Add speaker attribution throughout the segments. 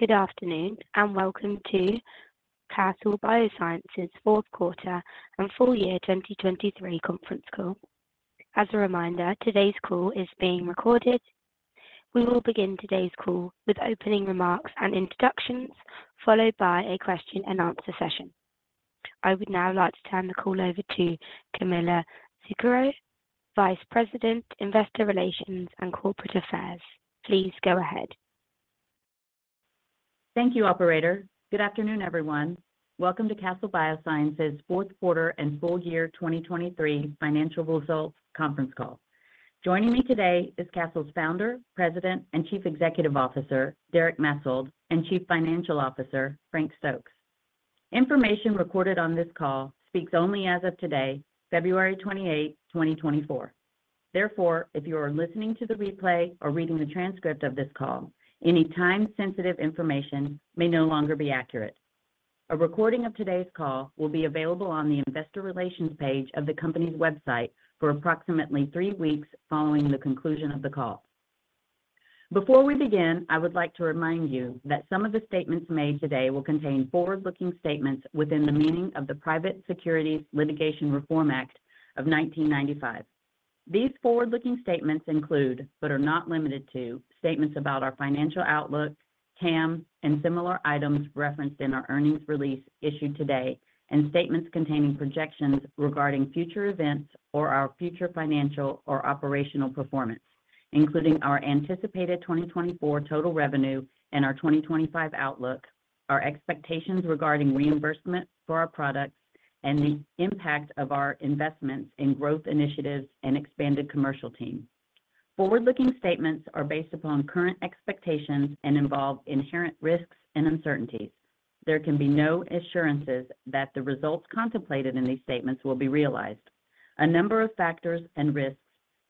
Speaker 1: Good afternoon and welcome to Castle Biosciences' fourth quarter and full year 2023 conference call. As a reminder, today's call is being recorded. We will begin today's call with opening remarks and introductions, followed by a question-and-answer session. I would now like to turn the call over to Camilla Zuckero, Vice President, Investor Relations and Corporate Affairs. Please go ahead.
Speaker 2: Thank you, Operator. Good afternoon, everyone. Welcome to Castle Biosciences' fourth quarter and full year 2023 financial results conference call. Joining me today is Castle's Founder, President, and Chief Executive Officer, Derek Maetzold, and Chief Financial Officer, Frank Stokes. Information recorded on this call speaks only as of today, February 28, 2024. Therefore, if you are listening to the replay or reading the transcript of this call, any time-sensitive information may no longer be accurate. A recording of today's call will be available on the Investor Relations page of the company's website for approximately three weeks following the conclusion of the call. Before we begin, I would like to remind you that some of the statements made today will contain forward-looking statements within the meaning of the Private Securities Litigation Reform Act of 1995. These forward-looking statements include, but are not limited to, statements about our financial outlook, TAM, and similar items referenced in our earnings release issued today, and statements containing projections regarding future events or our future financial or operational performance, including our anticipated 2024 total revenue and our 2025 outlook, our expectations regarding reimbursement for our products, and the impact of our investments in growth initiatives and expanded commercial team. Forward-looking statements are based upon current expectations and involve inherent risks and uncertainties. There can be no assurances that the results contemplated in these statements will be realized. A number of factors and risks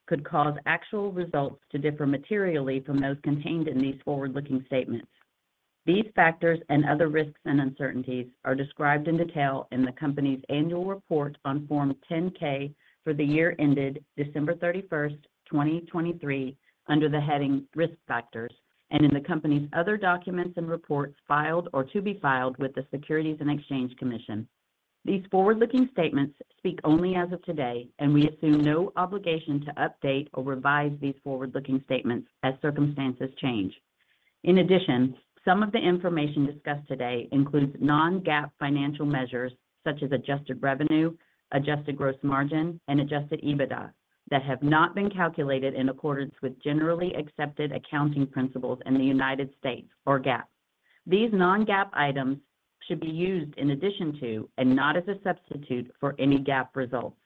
Speaker 2: could cause actual results to differ materially from those contained in these forward-looking statements. These factors and other risks and uncertainties are described in detail in the company's annual report on Form 10-K for the year ended December 31st, 2023, under the heading Risk Factors, and in the company's other documents and reports filed or to be filed with the Securities and Exchange Commission. These forward-looking statements speak only as of today, and we assume no obligation to update or revise these forward-looking statements as circumstances change. In addition, some of the information discussed today includes non-GAAP financial measures such as adjusted revenue, adjusted gross margin, and adjusted EBITDA that have not been calculated in accordance with generally accepted accounting principles in the United States or GAAP. These non-GAAP items should be used in addition to and not as a substitute for any GAAP results.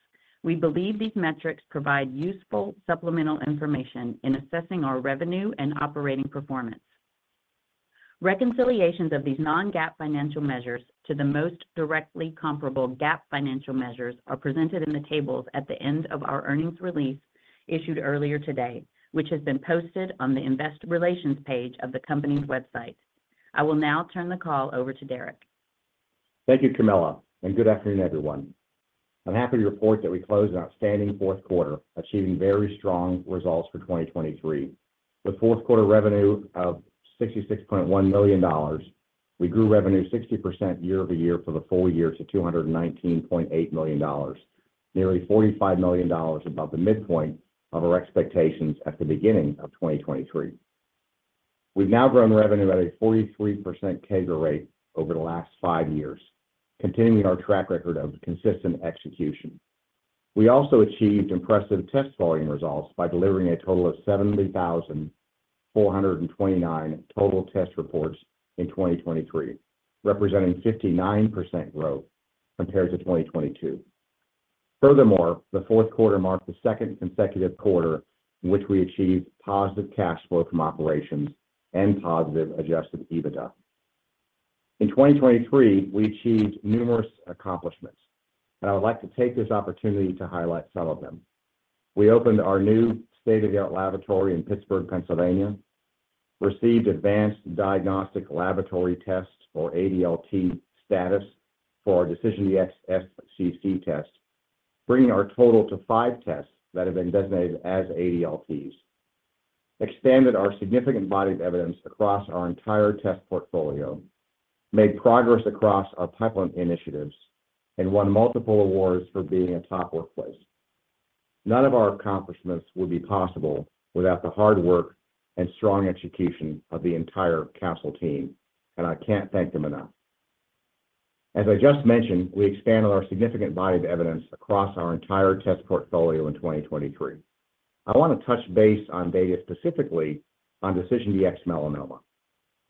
Speaker 2: We believe these metrics provide useful supplemental information in assessing our revenue and operating performance. Reconciliations of these non-GAAP financial measures to the most directly comparable GAAP financial measures are presented in the tables at the end of our earnings release issued earlier today, which has been posted on the Investor Relations page of the company's website. I will now turn the call over to Derek.
Speaker 3: Thank you, Camilla, and good afternoon, everyone. I'm happy to report that we closed an outstanding fourth quarter, achieving very strong results for 2023. With fourth quarter revenue of $66.1 million, we grew revenue 60% year-over-year for the full year to $219.8 million, nearly $45 million above the midpoint of our expectations at the beginning of 2023. We've now grown revenue at a 43% CAGR rate over the last five years, continuing our track record of consistent execution. We also achieved impressive test volume results by delivering a total of 70,429 total test reports in 2023, representing 59% growth compared to 2022. Furthermore, the fourth quarter marked the second consecutive quarter in which we achieved positive cash flow from operations and positive adjusted EBITDA. In 2023, we achieved numerous accomplishments, and I would like to take this opportunity to highlight some of them. We opened our new state-of-the-art laboratory in Pittsburgh, Pennsylvania, received advanced diagnostic laboratory tests or ADLT status for our DecisionDx-SCC test, bringing our total to five tests that have been designated as ADLTs, expanded our significant body of evidence across our entire test portfolio, made progress across our pipeline initiatives, and won multiple awards for being a top workplace. None of our accomplishments would be possible without the hard work and strong execution of the entire Castle team, and I can't thank them enough. As I just mentioned, we expanded our significant body of evidence across our entire test portfolio in 2023. I want to touch base on data specifically on DecisionDx-Melanoma.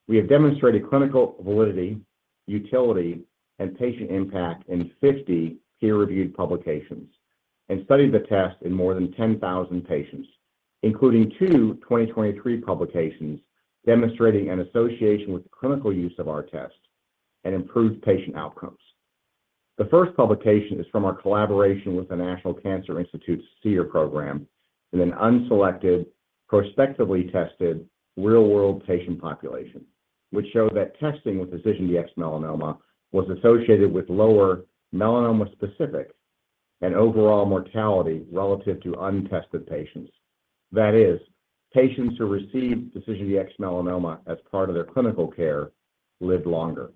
Speaker 3: We have demonstrated clinical validity, utility, and patient impact in 50 peer-reviewed publications and studied the test in more than 10,000 patients, including two 2023 publications demonstrating an association with the clinical use of our test and improved patient outcomes. The first publication is from our collaboration with the National Cancer Institute's SEER program in an unselected, prospectively tested real-world patient population, which showed that testing with DecisionDx-Melanoma was associated with lower melanoma-specific and overall mortality relative to untested patients. That is, patients who received DecisionDx-Melanoma as part of their clinical care lived longer.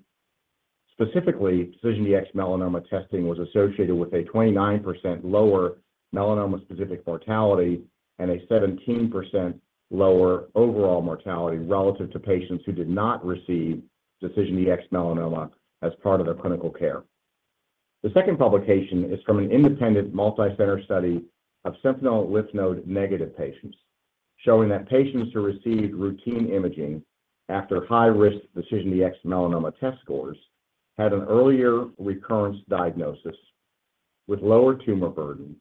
Speaker 3: Specifically, DecisionDx-Melanoma testing was associated with a 29% lower melanoma-specific mortality and a 17% lower overall mortality relative to patients who did not receive DecisionDx-Melanoma as part of their clinical care. The second publication is from an independent multicenter study of sentinel lymph node negative patients, showing that patients who received routine imaging after high-risk DecisionDx-Melanoma test scores had an earlier recurrence diagnosis with lower tumor burden,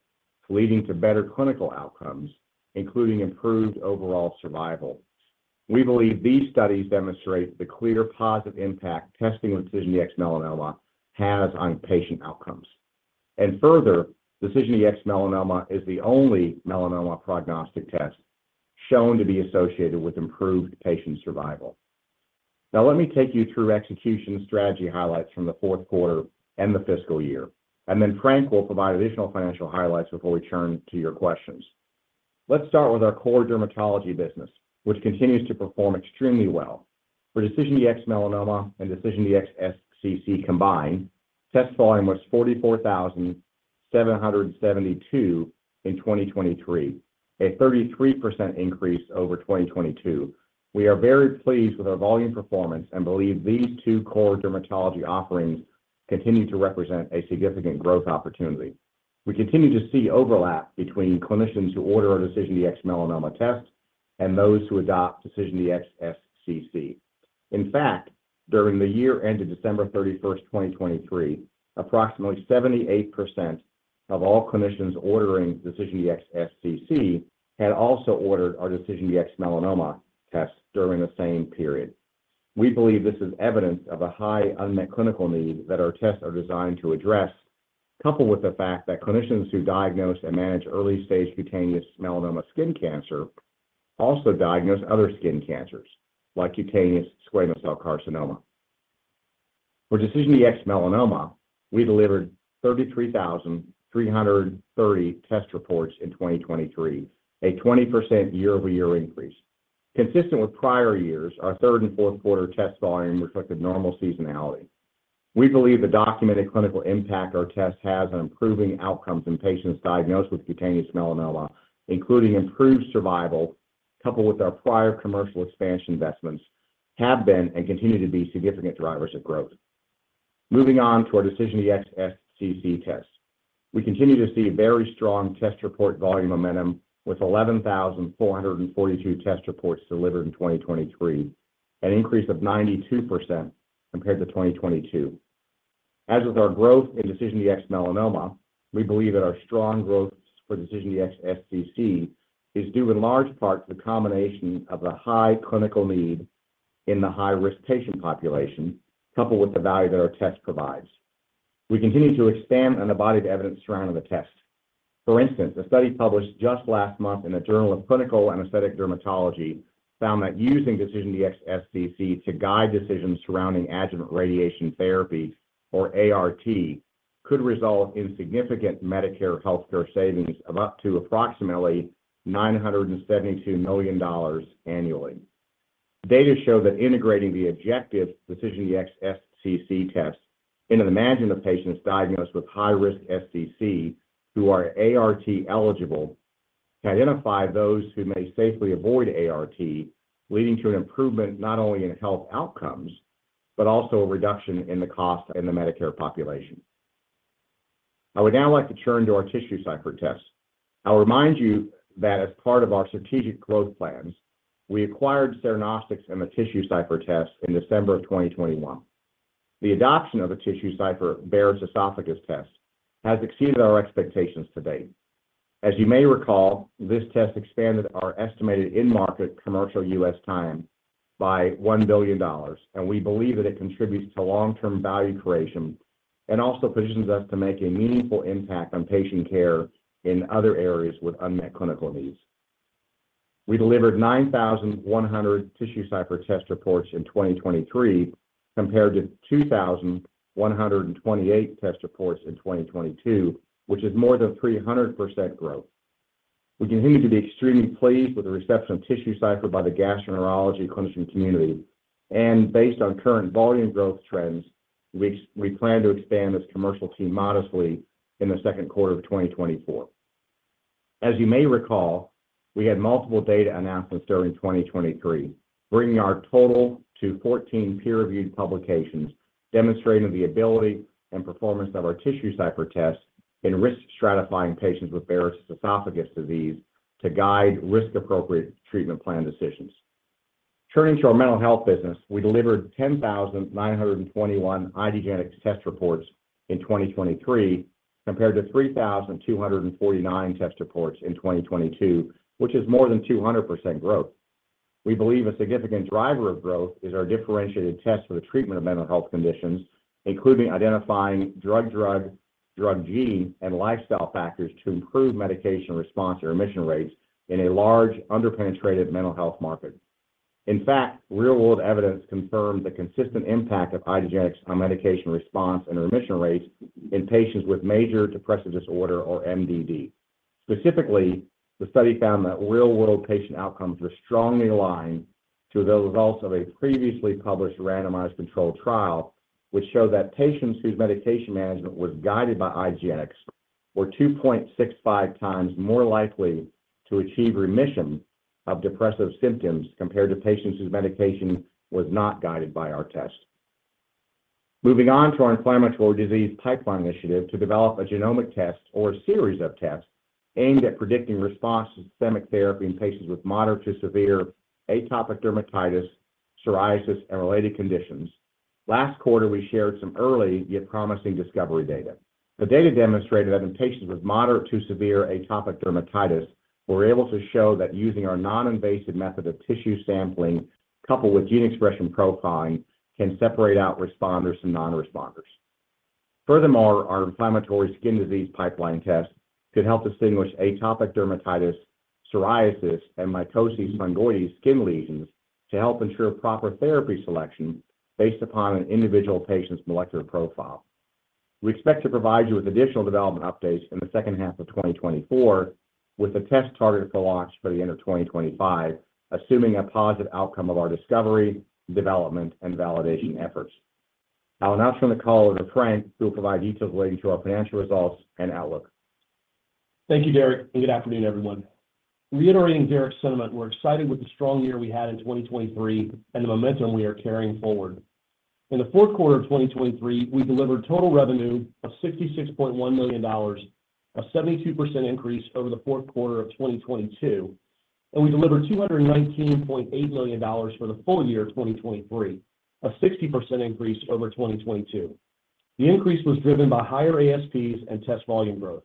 Speaker 3: leading to better clinical outcomes, including improved overall survival. We believe these studies demonstrate the clear positive impact testing with DecisionDx-Melanoma has on patient outcomes. And further, DecisionDx-Melanoma is the only melanoma prognostic test shown to be associated with improved patient survival. Now, let me take you through execution strategy highlights from the fourth quarter and the fiscal year, and then Frank will provide additional financial highlights before we turn to your questions. Let's start with our core dermatology business, which continues to perform extremely well. For DecisionDx-Melanoma and DecisionDx-SCC combined, test volume was 44,772 in 2023, a 33% increase over 2022. We are very pleased with our volume performance and believe these two core dermatology offerings continue to represent a significant growth opportunity. We continue to see overlap between clinicians who order our DecisionDx-Melanoma test and those who adopt DecisionDx-SCC. In fact, during the year ended December 31st, 2023, approximately 78% of all clinicians ordering DecisionDx-SCC had also ordered our DecisionDx-Melanoma test during the same period. We believe this is evidence of a high unmet clinical need that our tests are designed to address, coupled with the fact that clinicians who diagnose and manage early-stage cutaneous melanoma skin cancer also diagnose other skin cancers like cutaneous squamous cell carcinoma. For DecisionDx-Melanoma, we delivered 33,330 test reports in 2023, a 20% year-over-year increase. Consistent with prior years, our third and fourth quarter test volume reflected normal seasonality. We believe the documented clinical impact our test has on improving outcomes in patients diagnosed with cutaneous melanoma, including improved survival, coupled with our prior commercial expansion investments, have been and continue to be significant drivers of growth. Moving on to our DecisionDx-SCC test. We continue to see very strong test report volume momentum with 11,442 test reports delivered in 2023, an increase of 92% compared to 2022. As with our growth in DecisionDx-Melanoma, we believe that our strong growth for DecisionDx-SCC is due in large part to the combination of the high clinical need in the high-risk patient population, coupled with the value that our test provides. We continue to expand on the body of evidence surrounding the test. For instance, a study published just last month in the Journal of Clinical and Aesthetic Dermatology found that using DecisionDx-SCC to guide decisions surrounding adjuvant radiation therapy, or ART, could result in significant Medicare healthcare savings of up to approximately $972 million annually. Data show that integrating the objective DecisionDx-SCC test into the management of patients diagnosed with high-risk SCC who are ART eligible can identify those who may safely avoid ART, leading to an improvement not only in health outcomes but also a reduction in the cost in the Medicare population. I would now like to turn to our TissueCypher test. I'll remind you that as part of our strategic growth plans, we acquired Cernostics and the TissueCypher test in December of 2021. The adoption of the TissueCypher Barrett's esophagus test has exceeded our expectations to date. As you may recall, this test expanded our estimated in-market commercial U.S. TAM by $1 billion, and we believe that it contributes to long-term value creation and also positions us to make a meaningful impact on patient care in other areas with unmet clinical needs. We delivered 9,100 TissueCypher test reports in 2023 compared to 2,128 test reports in 2022, which is more than 300% growth. We continue to be extremely pleased with the reception of TissueCypher by the gastroenterology clinician community, and based on current volume growth trends, we plan to expand this commercial team modestly in the second quarter of 2024. As you may recall, we had multiple data announcements during 2023, bringing our total to 14 peer-reviewed publications demonstrating the ability and performance of our TissueCypher test in risk stratifying patients with Barrett's esophagus disease to guide risk-appropriate treatment plan decisions. Turning to our mental health business, we delivered 10,921 IDgenetix test reports in 2023 compared to 3,249 test reports in 2022, which is more than 200% growth. We believe a significant driver of growth is our differentiated test for the treatment of mental health conditions, including identifying drug-drug, drug-gene and lifestyle factors to improve medication response and remission rates in a large underpenetrated mental health market. In fact, real-world evidence confirms the consistent impact of IDgenetix on medication response and remission rates in patients with major depressive disorder or MDD. Specifically, the study found that real-world patient outcomes were strongly aligned to the results of a previously published randomized controlled trial, which showed that patients whose medication management was guided by IDgenetix were 2.65x more likely to achieve remission of depressive symptoms compared to patients whose medication was not guided by our test. Moving on to our inflammatory disease pipeline initiative to develop a genomic test or a series of tests aimed at predicting response to systemic therapy in patients with moderate to severe atopic dermatitis, psoriasis, and related conditions, last quarter we shared some early yet promising discovery data. The data demonstrated that in patients with moderate to severe atopic dermatitis, we were able to show that using our non-invasive method of tissue sampling, coupled with gene expression profiling, can separate out responders from non-responders. Furthermore, our inflammatory skin disease pipeline test could help distinguish atopic dermatitis, psoriasis, and mycosis fungoides skin lesions to help ensure proper therapy selection based upon an individual patient's molecular profile. We expect to provide you with additional development updates in the second half of 2024 with a test target for launch by the end of 2025, assuming a positive outcome of our discovery, development, and validation efforts. I'll now turn the call over to Frank who will provide details relating to our financial results and outlook.
Speaker 4: Thank you, Derek, and good afternoon, everyone. Reiterating Derek's sentiment, we're excited with the strong year we had in 2023 and the momentum we are carrying forward. In the fourth quarter of 2023, we delivered total revenue of $66.1 million, a 72% increase over the fourth quarter of 2022, and we delivered $219.8 million for the full year of 2023, a 60% increase over 2022. The increase was driven by higher ASPs and test volume growth.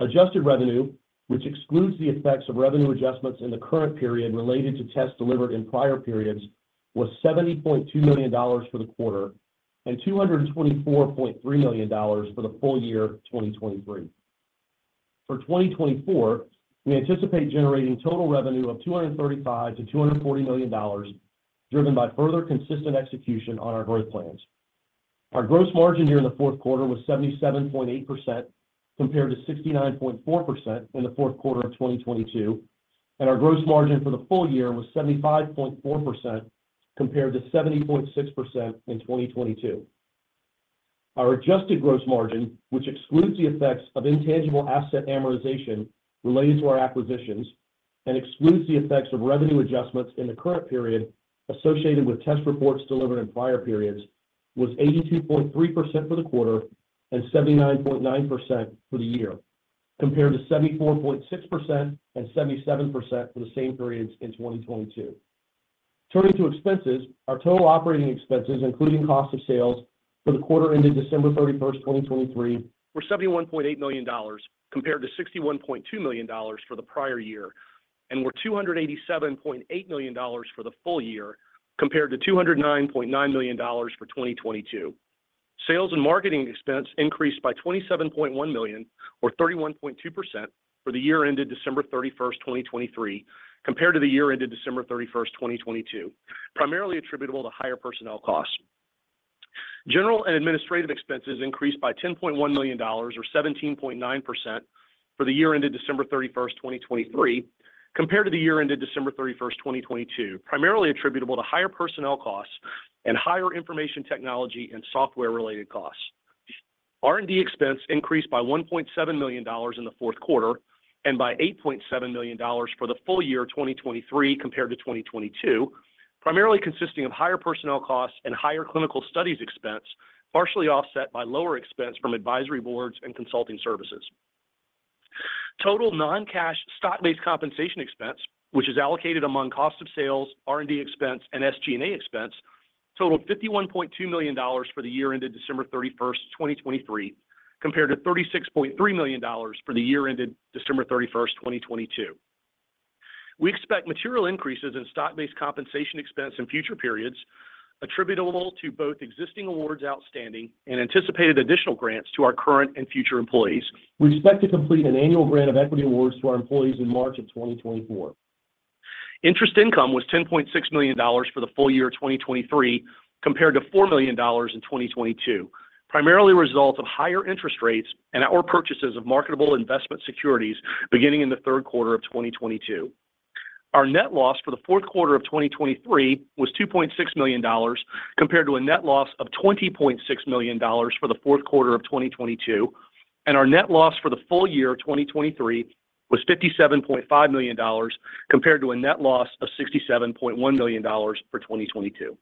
Speaker 4: Adjusted revenue, which excludes the effects of revenue adjustments in the current period related to tests delivered in prior periods, was $70.2 million for the quarter and $224.3 million for the full year 2023. For 2024, we anticipate generating total revenue of $235 million-$240 million driven by further consistent execution on our growth plans. Our gross margin in the fourth quarter was 77.8% compared to 69.4% in the fourth quarter of 2022, and our gross margin for the full year was 75.4% compared to 70.6% in 2022. Our adjusted gross margin, which excludes the effects of intangible asset amortization related to our acquisitions and excludes the effects of revenue adjustments in the current period associated with test reports delivered in prior periods, was 82.3% for the quarter and 79.9% for the year compared to 74.6% and 77% for the same periods in 2022. Turning to expenses, our total operating expenses, including cost of sales for the quarter ended December 31st, 2023, were $71.8 million compared to $61.2 million for the prior year, and were $287.8 million for the full year compared to $209.9 million for 2022. Sales and marketing expense increased by $27.1 million, or 31.2%, for the year ended December 31st, 2023, compared to the year ended December 31st, 2022, primarily attributable to higher personnel costs. General and administrative expenses increased by $10.1 million, or 17.9%, for the year ended December 31st, 2023, compared to the year ended December 31st, 2022, primarily attributable to higher personnel costs and higher information technology and software-related costs. R&D expense increased by $1.7 million in the fourth quarter and by $8.7 million for the full year 2023 compared to 2022, primarily consisting of higher personnel costs and higher clinical studies expense, partially offset by lower expense from advisory boards and consulting services. Total non-cash stock-based compensation expense, which is allocated among cost of sales, R&D expense, and SG&A expense, totaled $51.2 million for the year ended December 31st, 2023, compared to $36.3 million for the year ended December 31st, 2022. We expect material increases in stock-based compensation expense in future periods attributable to both existing awards outstanding and anticipated additional grants to our current and future employees. We expect to complete an annual grant of equity awards to our employees in March of 2024. Interest income was $10.6 million for the full year 2023 compared to $4 million in 2022, primarily a result of higher interest rates and our purchases of marketable investment securities beginning in the third quarter of 2022. Our net loss for the fourth quarter of 2023 was $2.6 million compared to a net loss of $20.6 million for the fourth quarter of 2022, and our net loss for the full year 2023 was $57.5 million compared to a net loss of $67.1 million for 2022.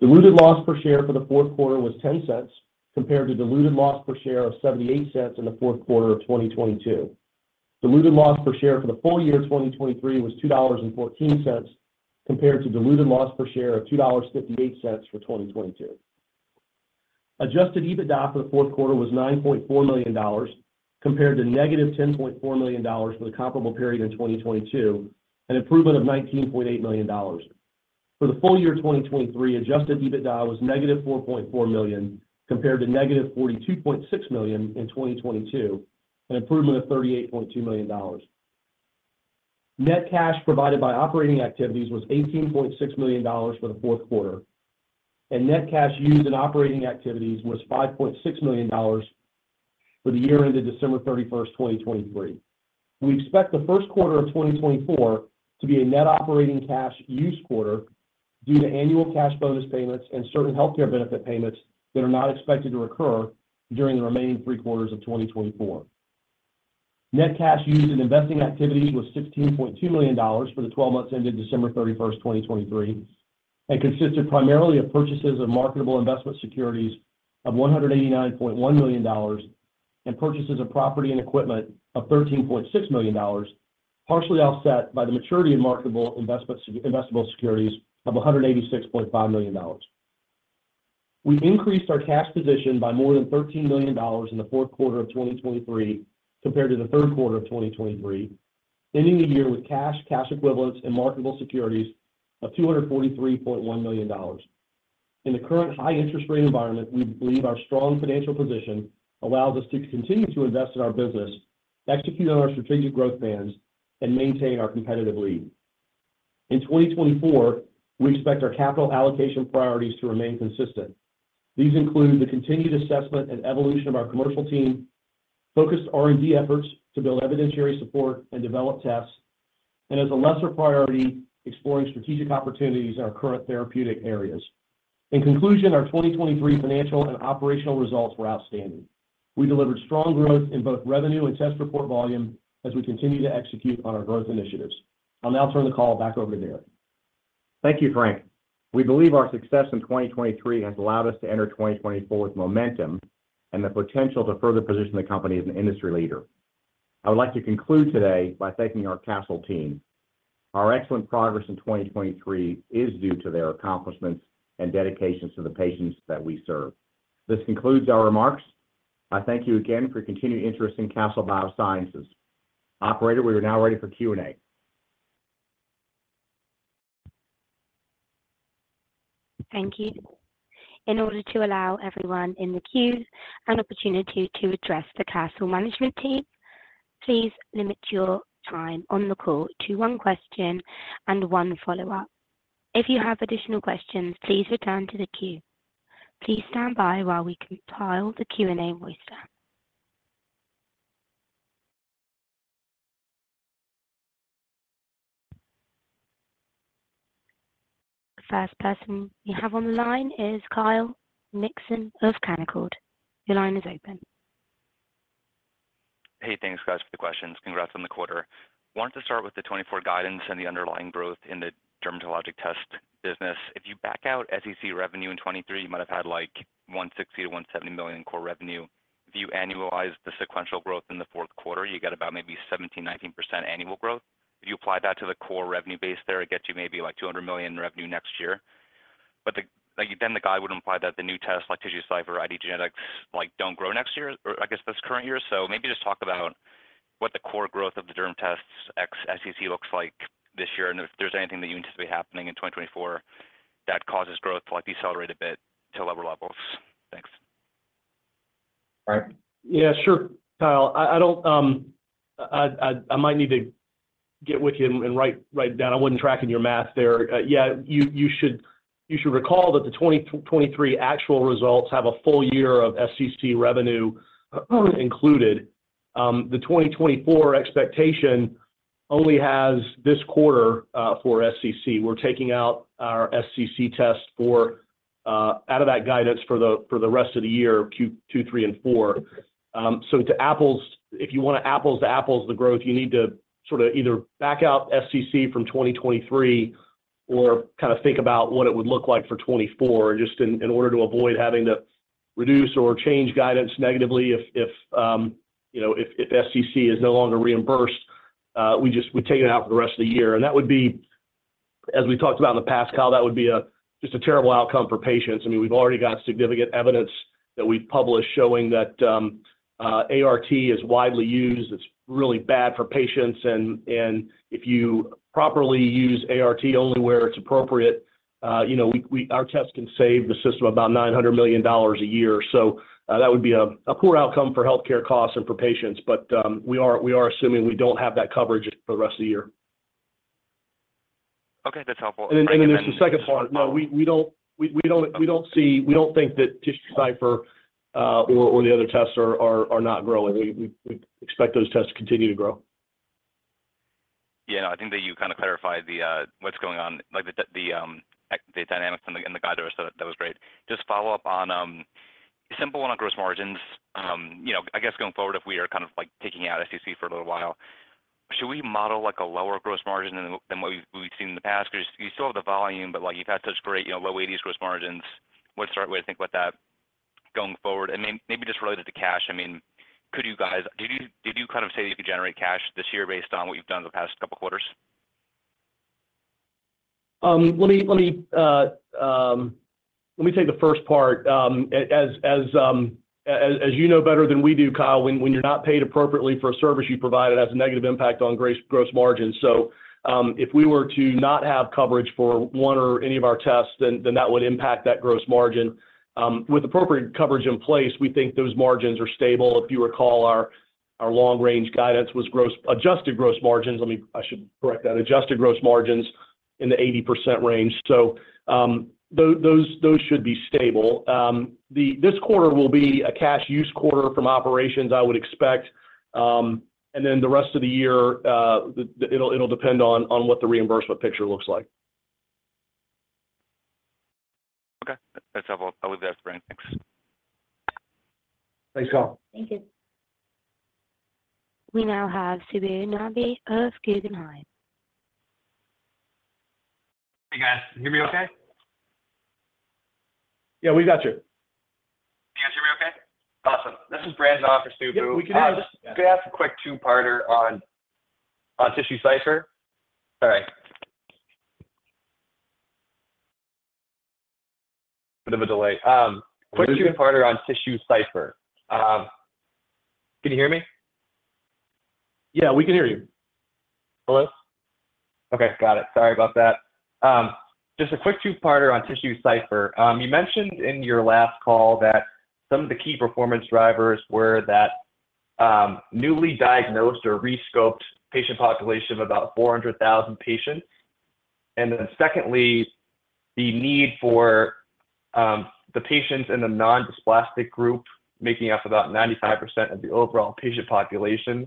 Speaker 4: Diluted loss per share for the fourth quarter was $0.10 compared to diluted loss per share of $0.78 in the fourth quarter of 2022. Diluted loss per share for the full year 2023 was $2.14 compared to diluted loss per share of $2.58 for 2022. Adjusted EBITDA for the fourth quarter was $9.4 million compared to -$10.4 million for the comparable period in 2022, an improvement of $19.8 million. For the full year 2023, adjusted EBITDA was -$4.4 million compared to -$42.6 million in 2022, an improvement of $38.2 million. Net cash provided by operating activities was $18.6 million for the fourth quarter, and net cash used in operating activities was $5.6 million for the year ended December 31, 2023. We expect the first quarter of 2024 to be a net operating cash use quarter due to annual cash bonus payments and certain healthcare benefit payments that are not expected to recur during the remaining three quarters of 2024. Net cash used in investing activities was $16.2 million for the 12 months ended December 31st, 2023, and consisted primarily of purchases of marketable investment securities of $189.1 million and purchases of property and equipment of $13.6 million, partially offset by the maturity of marketable investment securities of $186.5 million. We increased our cash position by more than $13 million in the fourth quarter of 2023 compared to the third quarter of 2023, ending the year with cash, cash equivalents, and marketable securities of $243.1 million. In the current high-interest rate environment, we believe our strong financial position allows us to continue to invest in our business, execute on our strategic growth plans, and maintain our competitive lead. In 2024, we expect our capital allocation priorities to remain consistent. These include the continued assessment and evolution of our commercial team, focused R&D efforts to build evidentiary support and develop tests, and as a lesser priority, exploring strategic opportunities in our current therapeutic areas. In conclusion, our 2023 financial and operational results were outstanding. We delivered strong growth in both revenue and test report volume as we continue to execute on our growth initiatives. I'll now turn the call back over to Derek.
Speaker 3: Thank you, Frank. We believe our success in 2023 has allowed us to enter 2024 with momentum and the potential to further position the company as an industry leader. I would like to conclude today by thanking our Castle team. Our excellent progress in 2023 is due to their accomplishments and dedications to the patients that we serve. This concludes our remarks. I thank you again for your continued interest in Castle Biosciences. Operator, we are now ready for Q&A.
Speaker 1: Thank you. In order to allow everyone in the queue an opportunity to address the Castle management team, please limit your time on the call to one question and one follow-up. If you have additional questions, please return to the queue. Please stand by while we compile the Q&A voicemail. First person we have on the line is Kyle Mikson of Canaccord. Your line is open.
Speaker 5: Hey, thanks, guys, for the questions. Congrats on the quarter. I wanted to start with the 2024 guidance and the underlying growth in the dermatologic test business. If you back out SCC revenue in 2023, you might have had, like, $160 million-$170 million in core revenue. If you annualize the sequential growth in the fourth quarter, you get about maybe 17%-19% annual growth. If you apply that to the core revenue base there, it gets you maybe, like, $200 million in revenue next year. But the, like, then the guy would imply that the new tests, like TissueCypher IDgenetix, like, don't grow next year, or I guess this current year. So maybe just talk about what the core growth of the derm tests ex SCC looks like this year and if there's anything that you anticipate happening in 2024 that causes growth to, like, decelerate a bit to lower levels? Thanks.
Speaker 4: All right. Yeah, sure, Kyle. I might need to get with you and write it down. I wasn't tracking your math there. Yeah, you should recall that the 2023 actual results have a full year of SCC revenue included. The 2024 expectation only has this quarter for SCC. We're taking out our SCC test out of that guidance for the rest of the year, Q2, Q3, and Q4. So to apples if you want apples to apples the growth, you need to sort of either back out SCC from 2023 or kind of think about what it would look like for 2024. Just in order to avoid having to reduce or change guidance negatively if, you know, if SCC is no longer reimbursed, we just take it out for the rest of the year. And that would be, as we talked about in the past, Kyle, just a terrible outcome for patients. I mean, we've already got significant evidence that we've published showing that ART is widely used. It's really bad for patients. And if you properly use ART only where it's appropriate, you know, our tests can save the system about $900 million a year. So, that would be a poor outcome for healthcare costs and for patients. But we are assuming we don't have that coverage for the rest of the year.
Speaker 5: Okay. That's helpful.
Speaker 4: And there's the second part. No, we don't think that TissueCypher, or the other tests are not growing. We expect those tests to continue to grow.
Speaker 5: Yeah. No, I think that you kind of clarified what's going on, like, the dynamics in the guidance. So that was great. Just follow up on simple one on gross margins. You know, I guess going forward, if we are kind of, like, taking out SCC for a little while, should we model, like, a lower gross margin than what we've seen in the past? Because you still have the volume, but, like, you've had such great, you know, low-80s gross margins. What's the right way to think about that going forward? And maybe just related to cash, I mean, could you guys did you kind of say that you could generate cash this year based on what you've done in the past couple quarters?
Speaker 4: Let me take the first part. As you know better than we do, Kyle, when you're not paid appropriately for a service you provide, it has a negative impact on gross margins. So, if we were to not have coverage for one or any of our tests, then that would impact that gross margin. With appropriate coverage in place, we think those margins are stable. If you recall, our long-range guidance was gross adjusted gross margins. Let me, I should correct that, adjusted gross margins in the 80% range. So, those should be stable. This quarter will be a cash-use quarter from operations, I would expect. And then the rest of the year, it'll depend on what the reimbursement picture looks like.
Speaker 5: Okay. That's helpful. I'll leave it at that, Frank. Thanks.
Speaker 4: Thanks, Kyle.
Speaker 1: Thank you. We now have Subbu Nambi of Guggenheim.
Speaker 6: Hey, guys. Can you hear me okay?
Speaker 4: Yeah, we got you.
Speaker 6: Hey, guys. Can you hear me okay? Awesome. This is Brandon off for Subbu.
Speaker 4: Yeah, we can hear you.
Speaker 6: I was just going to ask a quick two-parter on TissueCypher. Sorry. Bit of a delay. Quick two-parter on TissueCypher. Can you hear me?
Speaker 4: Yeah, we can hear you.
Speaker 6: Hello? Okay. Got it. Sorry about that. Just a quick two-parter on TissueCypher. You mentioned in your last call that some of the key performance drivers were that, newly diagnosed or rescoped patient population, about 400,000 patients. And then secondly, the need for, the patients in the nondysplastic group making up about 95% of the overall patient population.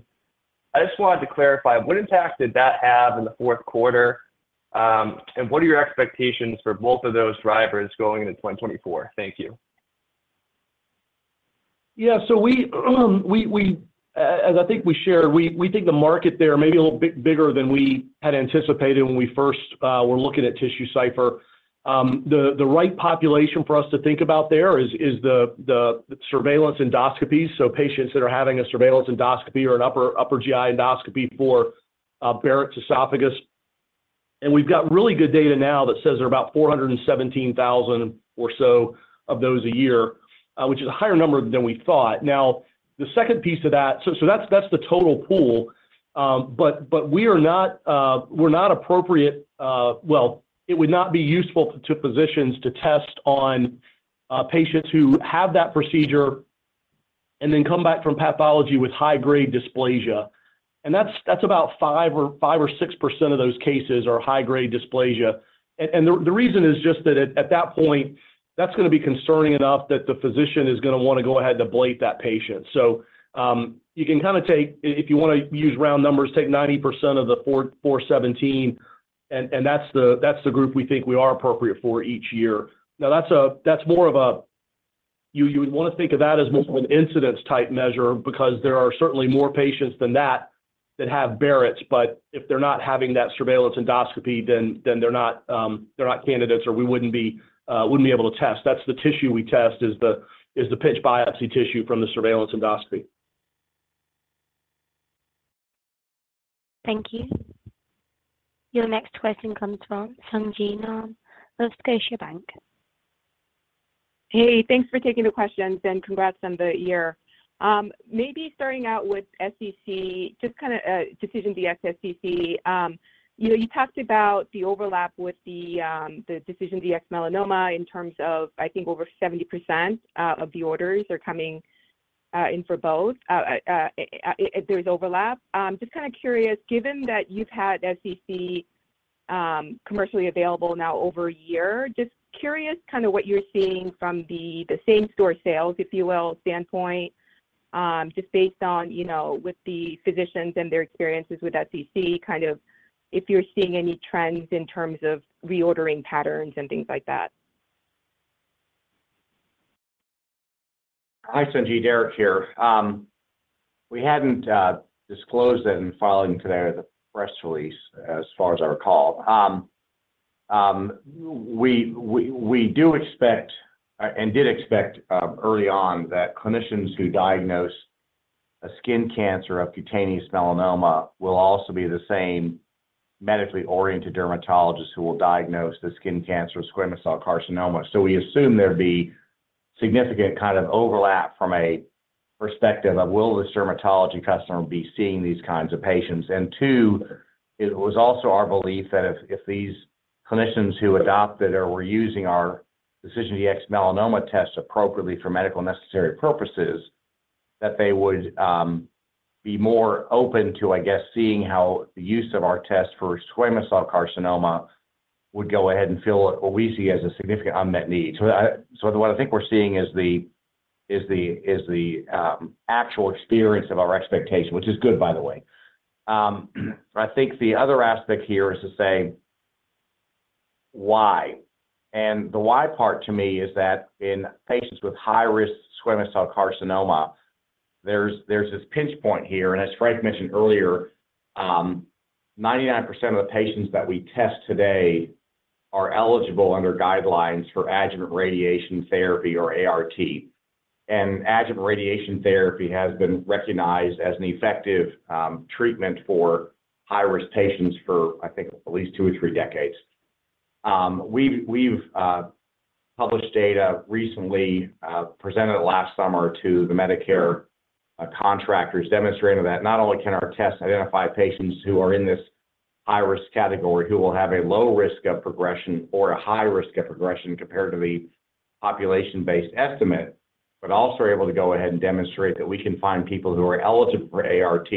Speaker 6: I just wanted to clarify, what impact did that have in the fourth quarter? And what are your expectations for both of those drivers going into 2024? Thank you.
Speaker 4: Yeah. So as I think we shared, we think the market there may be a little bit bigger than we had anticipated when we first were looking at TissueCypher. The right population for us to think about there is the surveillance endoscopies. So patients that are having a surveillance endoscopy or an upper GI endoscopy for Barrett's esophagus. And we've got really good data now that says there are about 417,000 or so of those a year, which is a higher number than we thought. Now, the second piece to that, so that's the total pool. But it would not be useful to physicians to test on patients who have that procedure and then come back from pathology with high-grade dysplasia. And that's about 5% or 6% of those cases are high-grade dysplasia. And the reason is just that at that point, that's going to be concerning enough that the physician is going to want to go ahead and ablate that patient. So, you can kind of take if you want to use round numbers, take 90% of the 417. And that's the group we think we are appropriate for each year. Now, that's more of a, you would want to think of that as more of an incidence-type measure because there are certainly more patients than that that have Barrett's. But if they're not having that surveillance endoscopy, then they're not candidates, or we wouldn't be able to test. That's the tissue we test is the pinch biopsy tissue from the surveillance endoscopy.
Speaker 1: Thank you. Your next question comes from Sung Ji Nam of Scotiabank.
Speaker 7: Hey. Thanks for taking the questions, and congrats on the year. Maybe starting out with SCC, just kind of, DecisionDx-SCC. You know, you talked about the overlap with the, the DecisionDx-Melanoma in terms of, I think, over 70% of the orders are coming in for both. If there's overlap. Just kind of curious, given that you've had SCC commercially available now over a year, just curious kind of what you're seeing from the, the same-store sales, if you will, standpoint, just based on, you know, with the physicians and their experiences with SCC, kind of if you're seeing any trends in terms of reordering patterns and things like that.
Speaker 3: Hi, Sung Ji. Derek here. We hadn't disclosed that in the filing today, the press release, as far as I recall. We do expect, and did expect, early on, that clinicians who diagnose a skin cancer, a cutaneous melanoma, will also be the same medically oriented dermatologists who will diagnose the skin cancer, squamous cell carcinoma. So we assume there'd be significant kind of overlap from a perspective of, will this dermatology customer be seeing these kinds of patients? And two, it was also our belief that if these clinicians who adopted or were using our DecisionDx-Melanoma test appropriately for medically necessary purposes, that they would be more open to, I guess, seeing how the use of our test for squamous cell carcinoma would go ahead and fill what we see as a significant unmet need. So what I think we're seeing is the actual experience of our expectation, which is good, by the way. I think the other aspect here is to say why. And the why part, to me, is that in patients with high-risk squamous cell carcinoma, there's this pinch point here. And as Frank mentioned earlier, 99% of the patients that we test today are eligible under guidelines for adjuvant radiation therapy or ART. And adjuvant radiation therapy has been recognized as an effective treatment for high-risk patients for, I think, at least two or three decades. We've published data recently, presented last summer to the Medicare contractors, demonstrating that not only can our tests identify patients who are in this high-risk category, who will have a low risk of progression or a high risk of progression compared to the population-based estimate, but also are able to go ahead and demonstrate that we can find people who are eligible for ART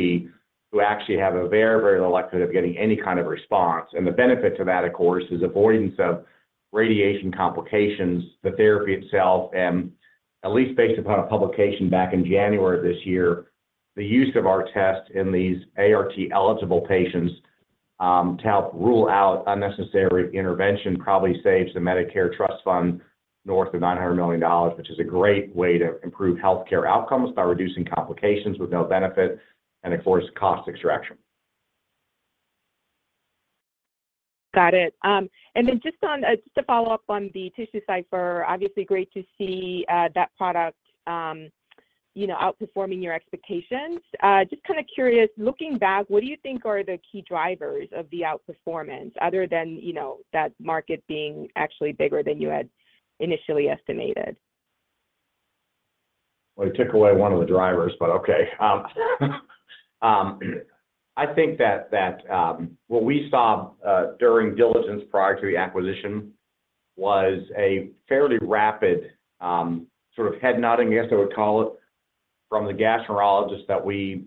Speaker 3: who actually have a very, very low likelihood of getting any kind of response. And the benefit to that, of course, is avoidance of radiation complications, the therapy itself. At least based upon a publication back in January of this year, the use of our tests in these ART-eligible patients, to help rule out unnecessary intervention probably saves the Medicare Trust Fund north of $900 million, which is a great way to improve healthcare outcomes by reducing complications with no benefit and, of course, cost extraction.
Speaker 7: Got it. And then just on, just to follow up on the TissueCypher, obviously great to see that product, you know, outperforming your expectations. Just kind of curious, looking back, what do you think are the key drivers of the outperformance other than, you know, that market being actually bigger than you had initially estimated?
Speaker 3: Well, you took away one of the drivers, but okay. I think that what we saw during diligence prior to the acquisition was a fairly rapid, sort of head-nodding, I guess I would call it, from the gastroenterologist that we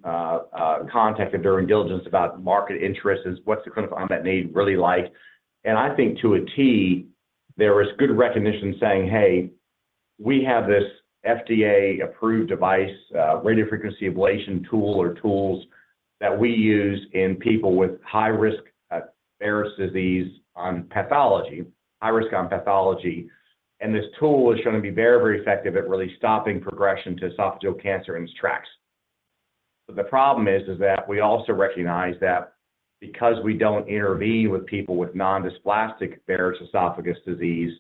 Speaker 3: contacted during diligence about market interest is, what's the clinical unmet need really like? And I think, to a T, there was good recognition saying, "Hey, we have this FDA-approved device, radiofrequency ablation tool or tools that we use in people with high-risk Barrett's disease on pathology, high-risk on pathology. This tool is showing to be very, very effective at really stopping progression to esophageal cancer in its tracks." But the problem is that we also recognize that because we don't intervene with people with Nondysplastic Barrett's esophagus disease,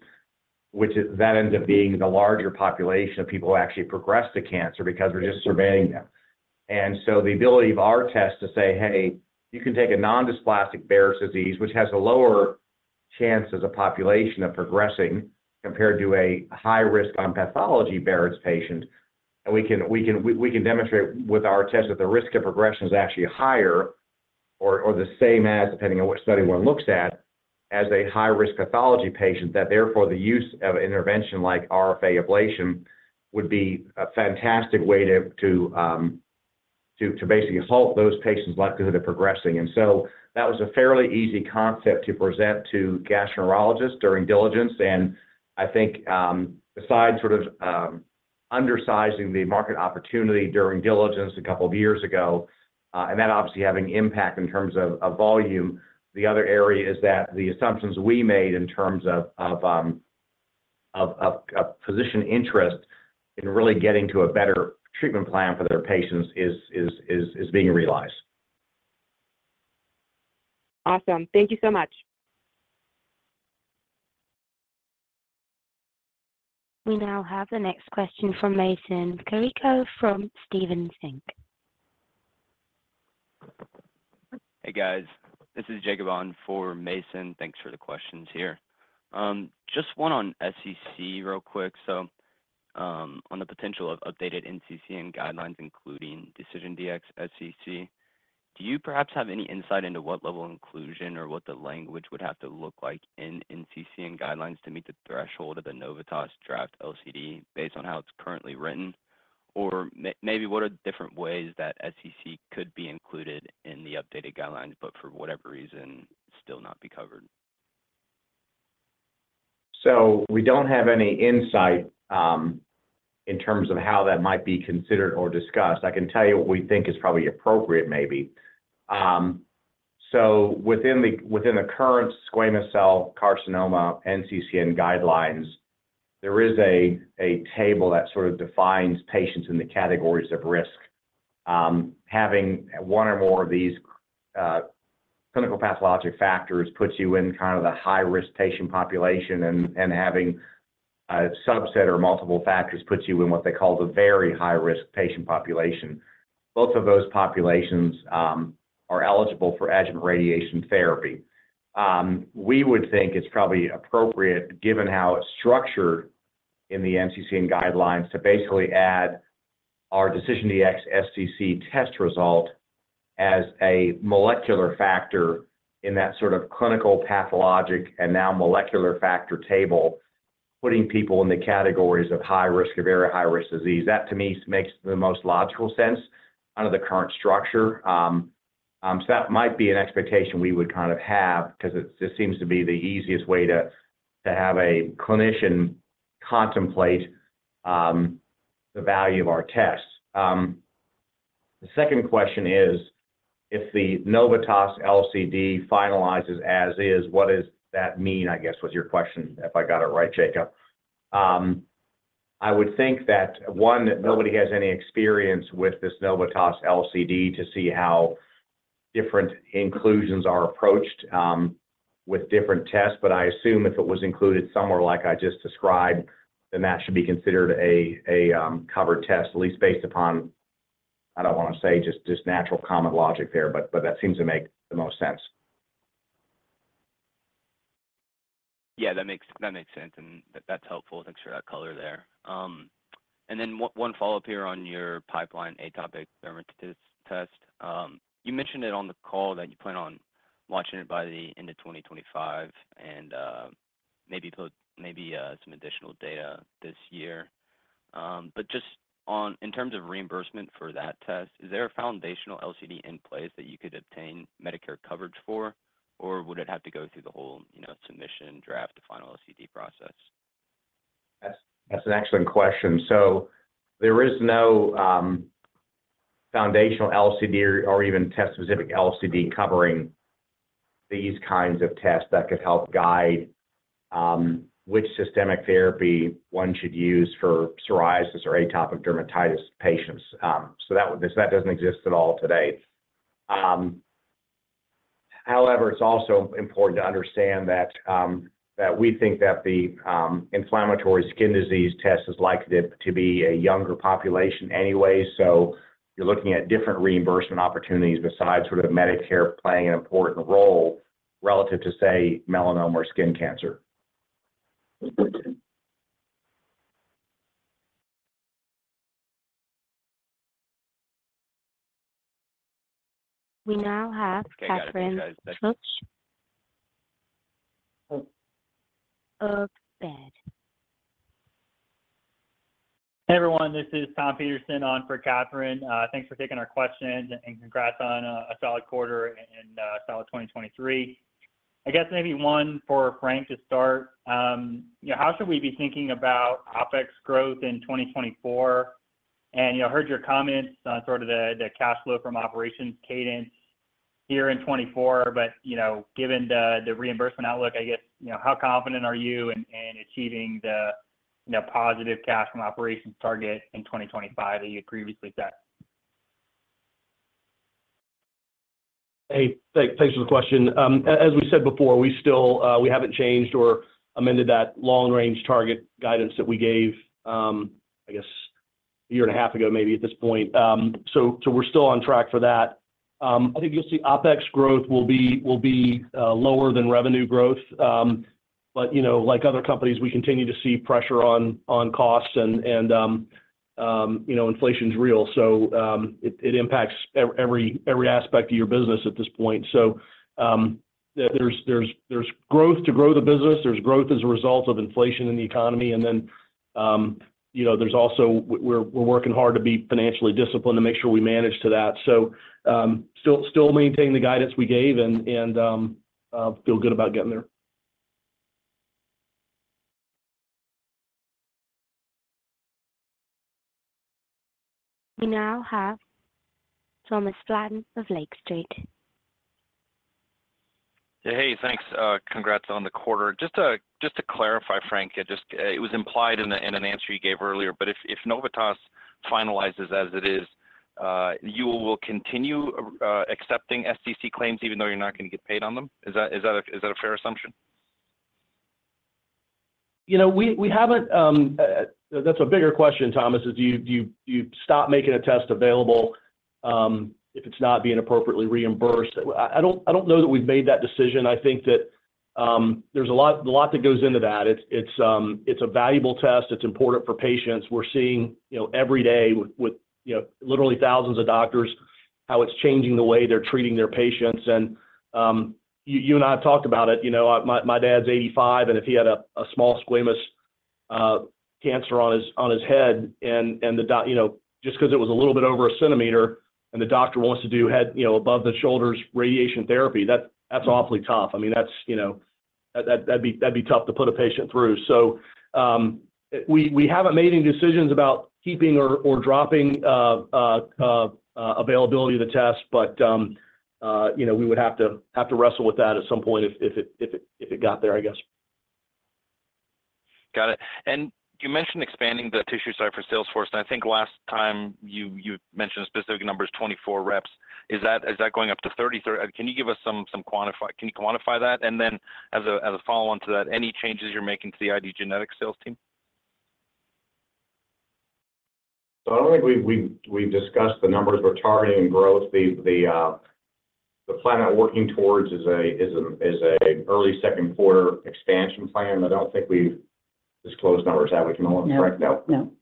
Speaker 3: which ends up being the larger population of people who actually progress to cancer because we're just surveying them. And so the ability of our tests to say, "Hey, you can take a nondysplastic Barrett's disease, which has a lower chance as a population of progressing compared to a high-risk on pathology Barrett's patient," and we can demonstrate with our tests that the risk of progression is actually higher or the same as, depending on which study one looks at, as a high-risk pathology patient, that therefore the use of an intervention like RFA ablation would be a fantastic way to basically halt those patients' likelihood of progressing. And so that was a fairly easy concept to present to gastroenterologists during diligence. I think, besides sort of undersizing the market opportunity during diligence a couple of years ago, and that obviously having impact in terms of volume, the other area is that the assumptions we made in terms of physician interest in really getting to a better treatment plan for their patients is being realized.
Speaker 7: Awesome. Thank you so much.
Speaker 1: We now have the next question from Mason Carrico from Stephens Inc.
Speaker 8: Hey, guys. This is Jacob for Mason. Thanks for the questions here. Just one on SCC real quick. So, on the potential of updated NCCN guidelines, including DecisionDx-SCC, do you perhaps have any insight into what level of inclusion or what the language would have to look like in NCCN guidelines to meet the threshold of the Novitas draft LCD based on how it's currently written? Or maybe what are different ways that SCC could be included in the updated guidelines but for whatever reason still not be covered?
Speaker 3: So we don't have any insight, in terms of how that might be considered or discussed. I can tell you what we think is probably appropriate, maybe. So within the current squamous cell carcinoma NCCN guidelines, there is a table that sort of defines patients in the categories of risk. Having one or more of these clinical pathologic factors puts you in kind of the high-risk patient population, and having a subset or multiple factors puts you in what they call the very high-risk patient population. Both of those populations are eligible for adjuvant radiation therapy. We would think it's probably appropriate, given how it's structured in the NCCN guidelines, to basically add our DecisionDx-SCC test result as a molecular factor in that sort of clinical pathologic and now molecular factor table, putting people in the categories of high-risk or very high-risk disease. That, to me, makes the most logical sense under the current structure. So that might be an expectation we would kind of have because it just seems to be the easiest way to have a clinician contemplate the value of our tests. The second question is, if the Novitas LCD finalizes as-is, what does that mean, I guess, was your question, if I got it right, Jacob? I would think that, one, that nobody has any experience with this Novitas LCD to see how different inclusions are approached, with different tests. But I assume if it was included somewhere like I just described, then that should be considered a covered test, at least based upon I don't want to say just natural common logic there, but that seems to make the most sense.
Speaker 8: Yeah. That makes that makes sense. And that's helpful. Thanks for that color there. And then one, one follow-up here on your pipeline atopic dermatitis test. You mentioned it on the call that you plan on watching it by the end of 2025 and, maybe put maybe, some additional data this year. But just on, in terms of reimbursement for that test, is there a foundational LCD in place that you could obtain Medicare coverage for, or would it have to go through the whole, you know, submission, draft to final LCD process?
Speaker 3: That's, that's an excellent question. So there is no foundational LCD or even test-specific LCD covering these kinds of tests that could help guide which systemic therapy one should use for psoriasis or atopic dermatitis patients. So that would, that doesn't exist at all today. However, it's also important to understand that, that we think that the inflammatory skin disease test is likely to, to be a younger population anyway. So you're looking at different reimbursement opportunities besides sort of Medicare playing an important role relative to, say, melanoma or skin cancer.
Speaker 1: We now have Catherine Schulte of Baird.
Speaker 9: Hey, everyone. This is Tom Peterson on for Katherine. Thanks for taking our questions and, and congrats on a solid quarter and, and solid 2023. I guess maybe one for Frank to start. You know, how should we be thinking about OpEx growth in 2024? And, you know, heard your comments on sort of the, the cash flow from operations cadence here in 2024. But, you know, given the, the reimbursement outlook, I guess, you know, how confident are you in, in achieving the, you know, positive cash from operations target in 2025 that you had previously set?
Speaker 4: Hey, thanks for the question. As we said before, we still haven't changed or amended that long-range target guidance that we gave, I guess, a year and a half ago, maybe, at this point. So, we're still on track for that. I think you'll see OpEx growth will be lower than revenue growth. But, you know, like other companies, we continue to see pressure on costs. And, you know, inflation's real. So, it impacts every aspect of your business at this point. So, there's growth to grow the business. There's growth as a result of inflation in the economy. And then, you know, there's also we're working hard to be financially disciplined to make sure we manage to that. So, still maintain the guidance we gave and feel good about getting there.
Speaker 1: We now have Thomas Flaten of Lake Street.
Speaker 10: Hey, hey. Thanks. Congrats on the quarter. Just to clarify, Frank, it was implied in an answer you gave earlier, but if Novitas finalizes as it is, you will continue accepting SCC claims even though you're not going to get paid on them? Is that a fair assumption?
Speaker 4: You know, we haven't – that's a bigger question, Thomas, is do you stop making a test available if it's not being appropriately reimbursed? I don't know that we've made that decision. I think that there's a lot that goes into that. It's a valuable test. It's important for patients. We're seeing, you know, every day with, you know, literally thousands of doctors how it's changing the way they're treating their patients. And you and I have talked about it. You know, my dad's 85. And if he had a small squamous cancer on his head and the doc, you know, just because it was a little bit over a centimeter and the doctor wants to do head, you know, above-the-shoulders radiation therapy, that's awfully tough. I mean, that's, you know, that'd be tough to put a patient through. So, we haven't made any decisions about keeping or dropping availability of the test. But, you know, we would have to wrestle with that at some point if it got there, I guess.
Speaker 10: Got it. And you mentioned expanding the TissueCypher site for sales force. And I think last time you mentioned a specific number, it's 24 reps. Is that going up to 33? Can you quantify that? And then as a follow-on to that, any changes you're making to the IDgenetix sales team?
Speaker 3: So I don't think we've discussed the numbers. We're targeting in growth. The plan that we're working towards is an early second quarter expansion plan. I don't think we've disclosed numbers that we can allow Frank, no.
Speaker 4: No. No.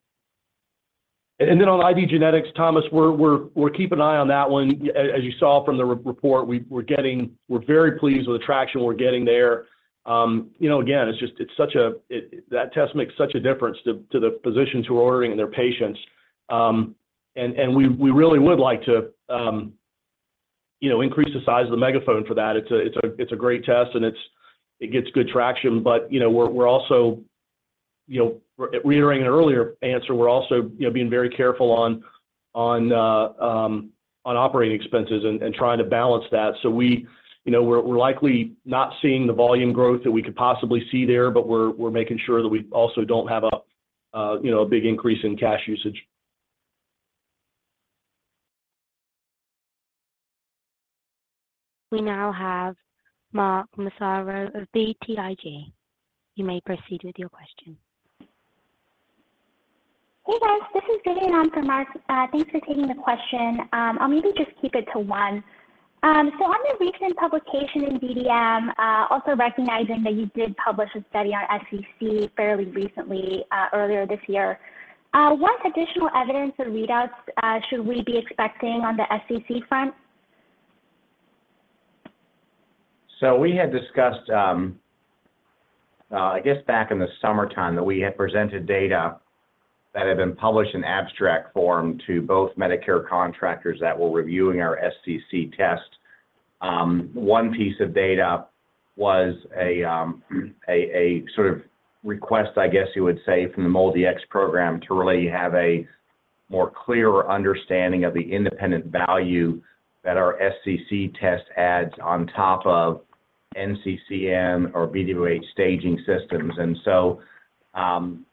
Speaker 4: And then on IDgenetix, Thomas, we're keeping an eye on that one. As you saw from the report, we're getting. We're very pleased with the traction we're getting there. You know, again, it's just such a test that makes such a difference to the physicians who are ordering and their patients. And we really would like to, you know, increase the size of the megaphone for that. It's a great test. And it gets good traction. But, you know, we're also, you know, reiterating an earlier answer, we're also being very careful on operating expenses and trying to balance that. We, you know, we're likely not seeing the volume growth that we could possibly see there, but we're making sure that we also don't have a, you know, a big increase in cash usage.
Speaker 1: We now have Mark Massaro of BTIG. You may proceed with your question.
Speaker 11: Hey, guys. This is Gideon on for Mark. Thanks for taking the question. I'll maybe just keep it to one. So on the recent publication in DDM, also recognizing that you did publish a study on SCC fairly recently, earlier this year, what additional evidence or readouts should we be expecting on the SCC front?
Speaker 3: So we had discussed, I guess back in the summertime that we had presented data that had been published in abstract form to both Medicare contractors that were reviewing our SCC test. One piece of data was a sort of request, I guess you would say, from the MolDX program to really have a more clearer understanding of the independent value that our SCC test adds on top of NCCN or BWH staging systems. And so,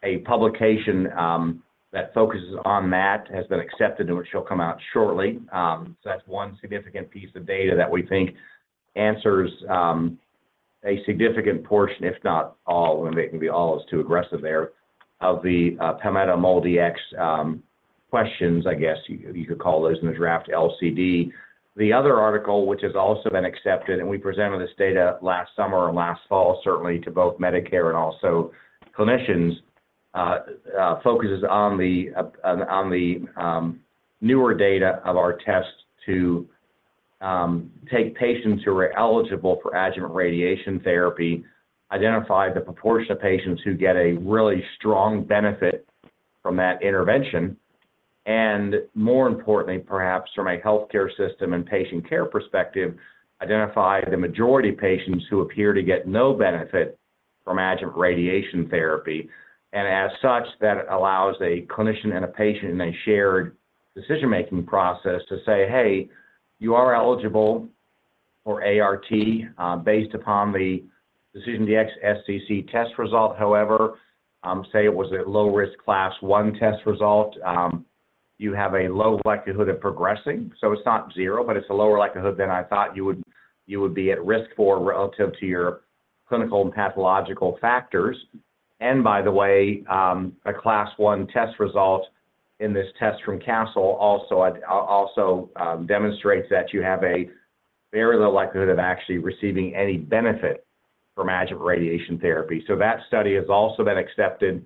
Speaker 3: a publication that focuses on that has been accepted, and it shall come out shortly. So that's one significant piece of data that we think answers a significant portion, if not all - and it can be all as too aggressive there - of the Palmetto MolDX questions, I guess you could call those, in the draft LCD. The other article, which has also been accepted, and we presented this data last summer and last fall, certainly, to both Medicare and also clinicians, focuses on the newer data of our test to take patients who are eligible for adjuvant radiation therapy, identify the proportion of patients who get a really strong benefit from that intervention, and more importantly, perhaps from a healthcare system and patient care perspective, identify the majority patients who appear to get no benefit from adjuvant radiation therapy. And as such, that allows a clinician and a patient in a shared decision-making process to say, "Hey, you are eligible for ART, based upon the DecisionDx-SCC test result. However, say it was a low-risk class I test result, you have a low likelihood of progressing. So it's not zero, but it's a lower likelihood than I thought you would be at risk for relative to your clinical and pathological factors. And by the way, a class I test result in this test from Castle also demonstrates that you have a very low likelihood of actually receiving any benefit from adjuvant radiation therapy." So that study has also been accepted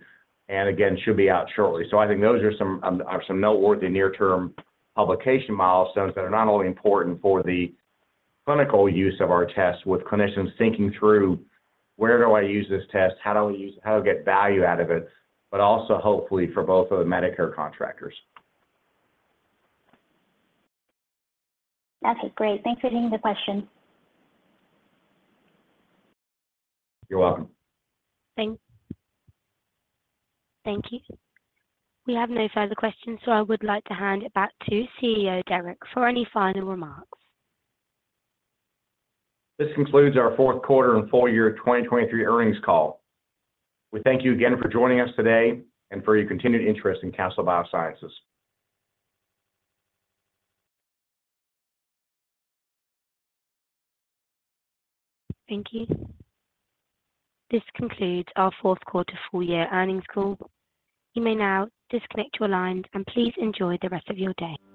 Speaker 3: and, again, should be out shortly. So I think those are some noteworthy near-term publication milestones that are not only important for the clinical use of our test with clinicians thinking through, "Where do I use this test? How do I get value out of it?" but also, hopefully, for both of the Medicare contractors.
Speaker 11: Okay. Great. Thanks for taking the question.
Speaker 3: You're welcome.
Speaker 1: Thanks. Thank you. We have no further questions, so I would like to hand it back to CEO Derek for any final remarks.
Speaker 3: This concludes our fourth quarter and full year 2023 earnings call. We thank you again for joining us today and for your continued interest in Castle Biosciences.
Speaker 1: Thank you. This concludes our fourth quarter full year earnings call. You may now disconnect your lines, and please enjoy the rest of your day.